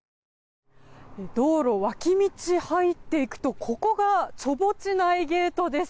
道路脇道入っていくとここがチョボチナイゲートです。